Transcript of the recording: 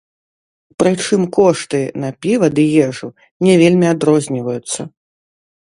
Прычым кошты на піва ды ежу не вельмі адрозніваюцца.